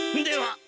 では